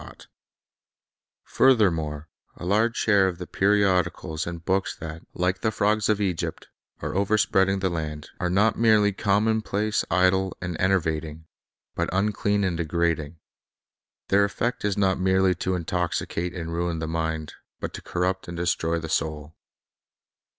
1 Shield from Temptation Comprehensive Study Furthermore, a large share of the periodicals and books that, like the frogs of Egypt, arc overspreading the land, are not merely commonplace, idle, and enervating, but unclean and degrading. Their effect is not merely to intoxicate and ruin the mind, but to corrupt and destroy the soul.